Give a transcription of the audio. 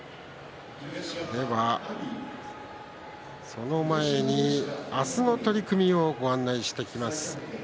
その前に明日の取組をご紹介しておきます。